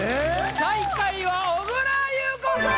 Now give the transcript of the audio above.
最下位は小倉優子さん！